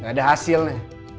gak ada hasilnya